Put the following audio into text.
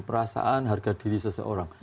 perasaan harga diri seseorang